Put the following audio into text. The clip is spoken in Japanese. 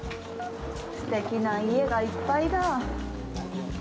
すてきな家がいっぱいだぁ。